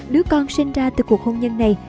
đứa con sinh ra từ cuộc hôn nhân này